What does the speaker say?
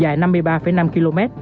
dài năm mươi ba năm km